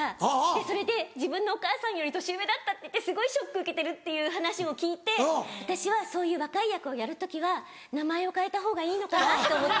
それで自分のお母さんより年上だったっていってすごいショック受けてるっていう話を聞いて私はそういう若い役をやる時は名前を変えたほうがいいのかなと思って。